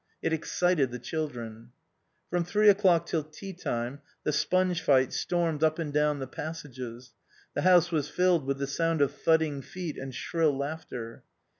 It excited the children. From three o'clock till tea time the sponge fight stormed up and down the passages. The house was filled with the sound of thudding feet and shrill laughter.